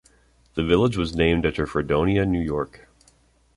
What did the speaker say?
The village was named after Fredonia, New York.